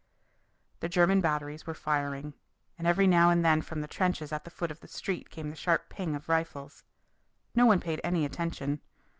The German batteries were firing, and every now and then from the trenches at the foot of the street came the sharp ping of rifles. No one paid any attention.